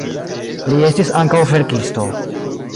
Li estis ankaŭ verkisto.